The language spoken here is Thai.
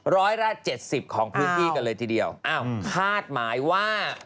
ร้อยละ๗๐ของพื้นที่กันเลยทีเดียวอ้าวคาดหมายว่าอ้าว